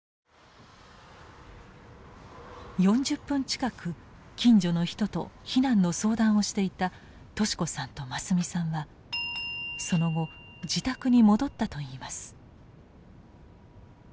４０分近く近所の人と避難の相談をしていた利子さんと真澄さんはその後自宅に戻ったといいます。